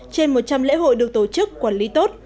trên một trăm linh lễ hội được tổ chức quản lý tốt